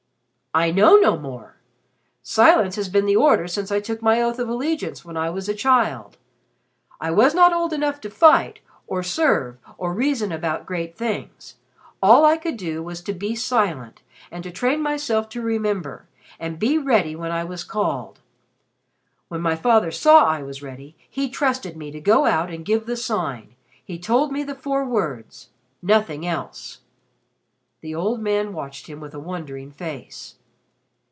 "I know no more. Silence has been the order since I took my oath of allegiance when I was a child. I was not old enough to fight, or serve, or reason about great things. All I could do was to be silent, and to train myself to remember, and be ready when I was called. When my father saw I was ready, he trusted me to go out and give the Sign. He told me the four words. Nothing else." The old man watched him with a wondering face.